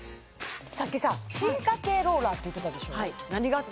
さっきさ進化系ローラーって言ってたでしょ